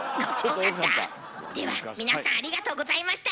では皆さんありがとうございました。